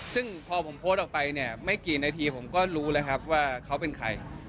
ซึ่งพอผมโพสต์ออกไปเนี่ยไม่กี่นาทีผมก็รู้แล้วครับว่าเขาเป็นใคร